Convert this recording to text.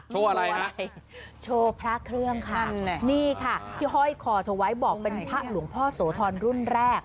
โชว์อะไรโชว์พระเครื่องค่ะนี่ค่ะที่ห้อยคอเธอไว้บอกเป็นพระหลวงพ่อโสธรรุ่นแรก